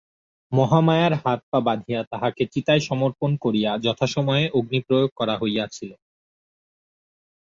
মহামায়ার হাতপা বাঁধিয়া তাহাকে চিতায় সমর্পণ করিয়া যথাসময়ে অগ্নিপ্রয়োগ করা হইয়াছিল।